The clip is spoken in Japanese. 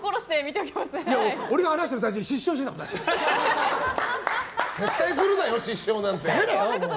俺が話してる最中に絶対するなよ、失笑なんて。